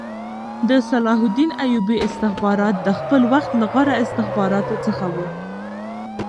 د صلاح الدین ایوبي استخبارات د خپل وخت له غوره استخباراتو څخه وو